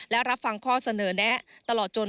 และรับฟังข้อเสนอแนะตลอดจน